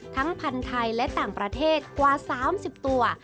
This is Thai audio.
พันธุ์ไทยและต่างประเทศกว่า๓๐ตัว